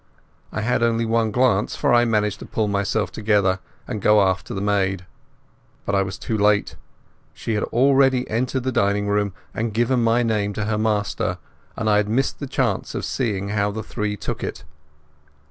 I had only one glance, for I managed to pull myself together and go after the maid. But I was too late. She had already entered the dining room and given my name to her master, and I had missed the chance of seeing how the three took it.